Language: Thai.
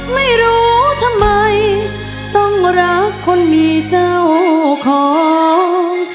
ไม่รู้ทำไมต้องรักคนมีเจ้าของ